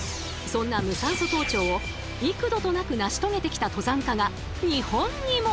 そんな無酸素登頂を幾度となく成し遂げてきた登山家が日本にも！